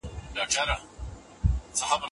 ښوونکی د پلار پر ځای وي.